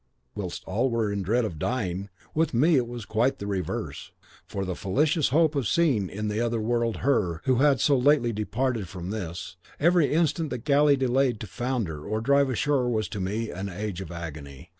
Whilst all were in dread of dying, with me it was quite the reverse; for in the fallacious hope of seeing in the other world her who had so lately departed from this, every instant the galley delayed to founder or drive ashore was to me an age of agony.